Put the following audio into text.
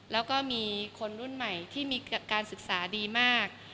แล้วก็มีคนรุ่นใหม่ที่มีการศึกษาดีมาก